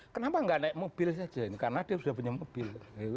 kenapa nggak naik mobil saja ini karena dia sudah punya mobil